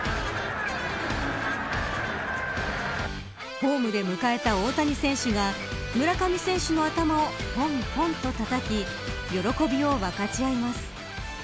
ホームで迎えた大谷選手が村上選手の頭をぽんぽんと、たたき喜びを分かち合います。